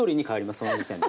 その時点で。